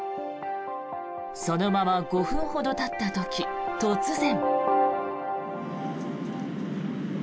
そのまま５分ほどたった時突然。